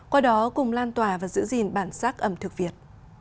qua đó cùng lan tòa và giữ gìn bản sắc ẩm thực việt